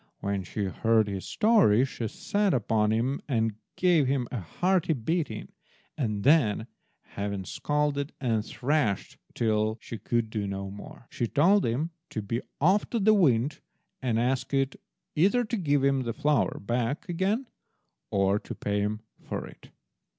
When she heard his story she set upon him and gave him a hearty beating, and then, having scolded and thrashed till she could do no more, she told him to be off to the wind and ask it either to give him the flour back again or to pay him for it.